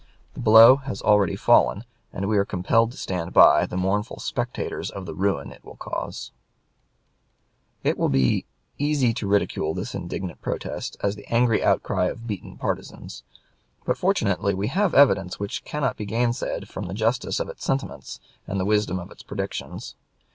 The blow has already fallen; and we are compelled to stand by, the mournful spectators of the ruin it will cause. [Sidenote: Ford's "History," p. 221.] It will be easy to ridicule this indignant protest as the angry outcry of beaten partisans; but fortunately we have evidence which cannot be gainsaid of the justice of its sentiments and the wisdom of its predictions.